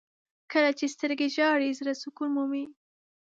• کله چې سترګې ژاړي، زړه سکون مومي.